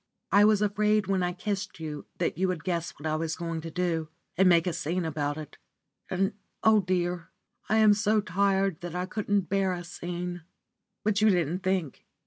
I was afraid when I kissed you that you would guess what I was going to do, and make a scene about it, and oh, dear! I am so tired that I couldn't bear a scene. But you didn't think.